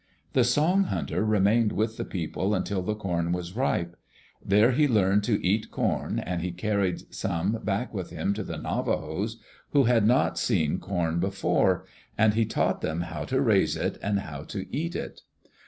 The Song hunter remained with these people until the corn was ripe. There he learned to eat corn and he carried some back with him to the Navajos, who had not seen corn before, and he taught them how to raise it and how to eat it.